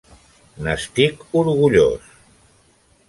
N'estic orgullós!